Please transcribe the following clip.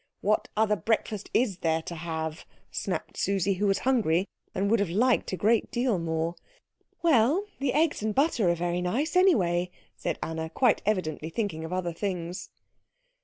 "What other breakfast is there to have?" snapped Susie, who was hungry, and would have liked a great deal more. "Well, the eggs and butter are very nice, anyway," said Anna, quite evidently thinking of other things.